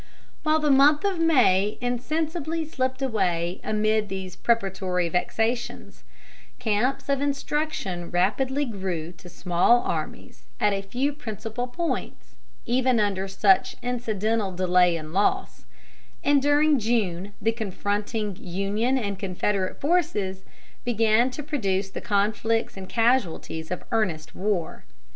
While the month of May insensibly slipped away amid these preparatory vexations, camps of instruction rapidly grew to small armies at a few principal points, even under such incidental delay and loss; and during June the confronting Union and Confederate forces began to produce the conflicts and casualties of earnest war.